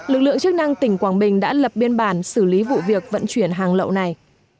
lực lượng chức năng tỉnh quảng bình đã lập biên bản xử lý vụ việc vận chuyển hàng lậu này